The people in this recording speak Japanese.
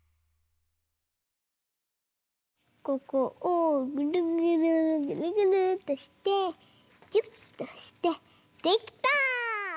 ここをぐるぐるぐるぐるっとしてぎゅっとしてできた！